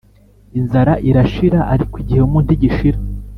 Inzara irashira ariko igihemu ntigishira